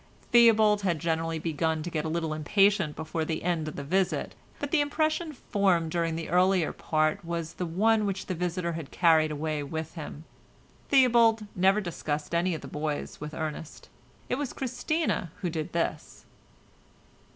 Theobald had generally begun to get a little impatient before the end of the visit, but the impression formed during the earlier part was the one which the visitor had carried away with him. Theobald never discussed any of the boys with Ernest. It was Christina who did this.